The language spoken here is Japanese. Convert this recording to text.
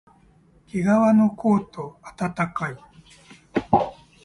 けがわのコート、あたたかい